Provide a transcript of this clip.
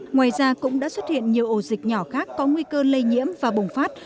ngoài ra cũng đã xuất hiện nhiều ổ dịch nhỏ khác có nguy cơ lây nhiễm và bùng phát